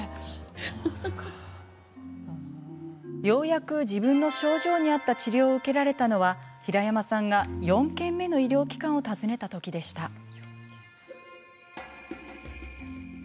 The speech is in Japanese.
ようやく自分の症状に合った治療を受けられたのは平山さんが４軒目の医療機関を訪ねたときでした。